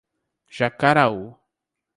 Jacaraú